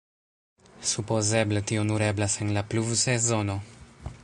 Supozeble tio nur eblas en la pluvsezono.